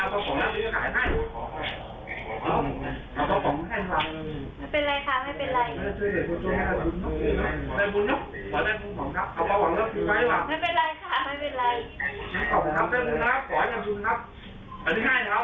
โหล